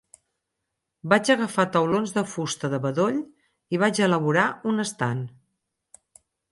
Vaig agafar taulons de fusta de bedoll i vaig elaborar un estant.